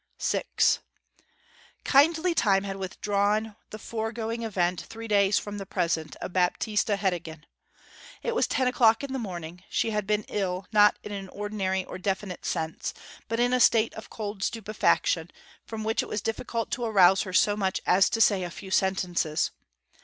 VI Kindly time had withdrawn the foregoing event three days from the present of Baptista Heddegan. It was ten o'clock in the morning; she had been ill, not in an ordinary or definite sense, but in a state of cold stupefaction, from which it was difficult to arouse her so much as to say a few sentences.